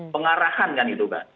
pengarahan kan itu bang